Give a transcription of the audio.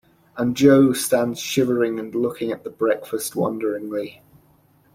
And Jo stands shivering and looking at the breakfast wonderingly.